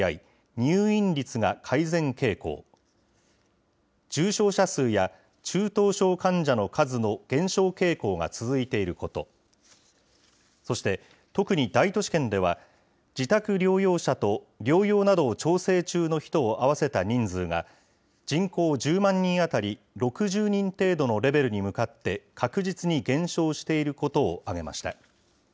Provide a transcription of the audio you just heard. ・入院率が改善傾向、重症者数や中等症患者の数の減少傾向が続いていること、そして、特に大都市圏では、自宅療養者と療養などを調整中の人を合わせた人数が、人口１０万人当たり６０人程度のレベルに向かって、確実に減少していることを挙げました。